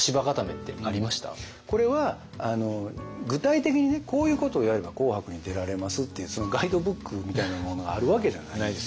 これは具体的にこういうことをやれば「紅白」に出られますっていうガイドブックみたいなものがあるわけじゃないですよね。